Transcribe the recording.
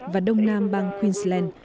và đông nam bang queensland